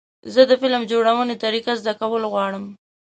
زه د فلم جوړونې طریقه زده کول غواړم.